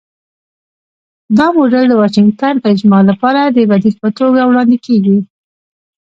دا موډل د 'واشنګټن اجماع' لپاره د بدیل په توګه وړاندې کېږي.